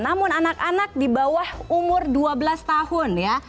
namun anak anak di bawah umur dua belas tahun ya